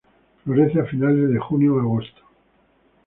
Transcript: Florece a finales de junio-agosto.